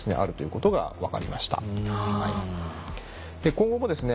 今後もですね